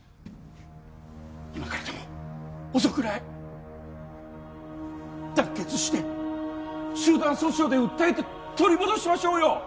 今からでも遅くない団結して集団訴訟で訴えて取り戻しましょうよ